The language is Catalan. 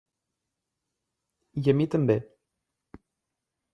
I a mi també.